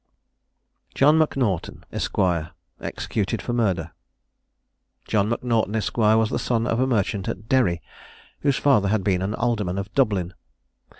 JOHN M'NAUGHTON, ESQ. EXECUTED FOR MURDER. John M'Naughton, Esq. was the son of a merchant at Derry, whose father had been an alderman of Dublin.